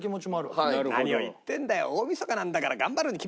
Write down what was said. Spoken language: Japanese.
何を言ってるんだよ